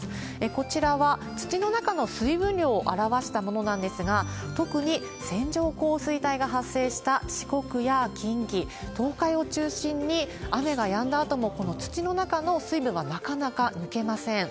こちらは土の中の水分量を表したものなんですが、特に線状降水帯が発生した四国や近畿、東海を中心に、雨がやんだあとも、この土の中の水分がなかなか抜けません。